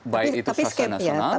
baik itu swasta nasional